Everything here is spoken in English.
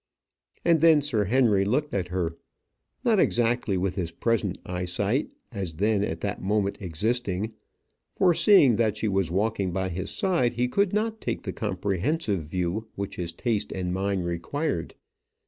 And then Sir Henry looked at her. Not exactly with his present eyesight as then at that moment existing; for seeing that she was walking by his side, he could not take the comprehensive view which his taste and mind required.